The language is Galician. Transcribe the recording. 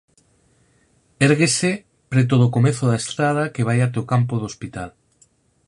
Érguese preto do comezo da estrada que vai até o Campo do Hospital.